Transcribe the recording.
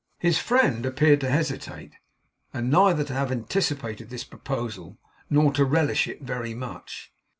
His friend appeared to hesitate; and neither to have anticipated this proposal, nor to relish it very much.